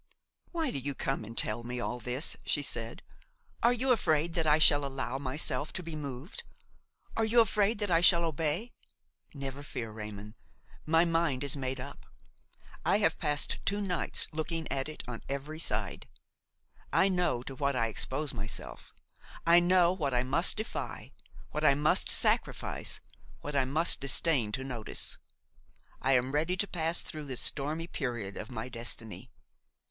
"Why do you come and tell me all this?" she said. "Are you afraid that I shall allow myself to be moved? Are you afraid that I shall obey? Never fear, Raymon, my mind is made up; I have passed two nights looking at it on every side; I know to what I expose myself; I know what I must defy, what I must sacrifice, what I must disdain to notice; I am ready to pass through this stormy period of my destiny.